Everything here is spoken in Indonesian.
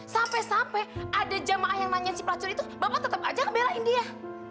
sampai sampai ada jamaah yang nanyain si pelacur itu bapak tetap aja ngebelain dia